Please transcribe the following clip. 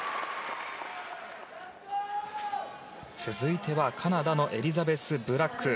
続いてはカナダのエリザベス・ブラック。